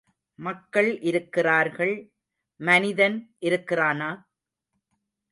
மக்கள் இருக்கிறார்கள் மனிதன் இருக்கிறானா?